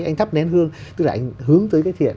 anh thắp nén hương tức là anh hướng tới cái thiện